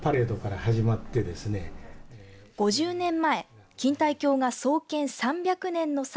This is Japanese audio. ５０年前錦帯橋が創建３００年の際